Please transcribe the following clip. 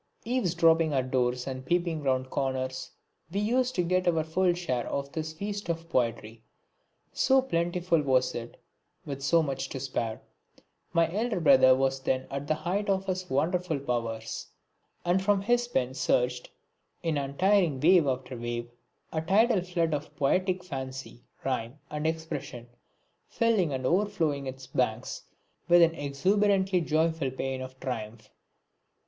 Eavesdropping at doors and peeping round corners, we used to get our full share of this feast of poetry, so plentiful was it, with so much to spare. My eldest brother was then at the height of his wonderful powers; and from his pen surged, in untiring wave after wave, a tidal flood of poetic fancy, rhyme and expression, filling and overflowing its banks with an exuberantly joyful pæan of triumph.